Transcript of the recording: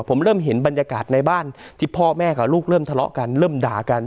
ผมเริ่มเห็นบรรยากาศในบ้านที่พ่อแม่กับลูกเริ่มทะเลาะกันเริ่มด่ากัน